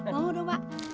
mau dong pak